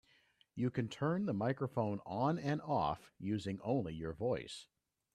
You can turn the microphone on and off using only your voice.